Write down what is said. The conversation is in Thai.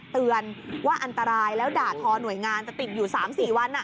เตือนว่าอันตรายแล้วด่าทอหน่วยงานจะติดอยู่๓๔วัน